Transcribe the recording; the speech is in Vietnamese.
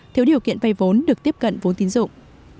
thiếu điều kiện vay vốn được tiếp cận vốn tín dụng